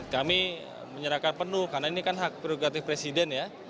kami menyerahkan penuh karena ini kan hak prerogatif presiden ya